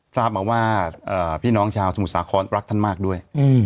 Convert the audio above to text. ทราบมาว่าพี่น้องชาวสมุทรสาครรักท่านมากด้วย